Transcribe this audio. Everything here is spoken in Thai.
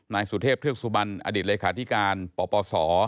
นายสุเทพเทือกสุบันอดีตเลขาธิการปปศ